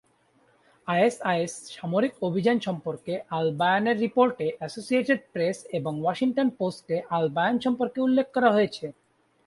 ISIS সামরিক অভিযান সম্পর্কে আল-বায়ানের রিপোর্টে অ্যাসোসিয়েটেড প্রেস এবং ওয়াশিংটন পোস্টে আল-বায়ান সম্পর্কে উল্লেখ করা হয়েছে।